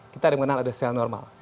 kita ada yang mengenal ada sel normal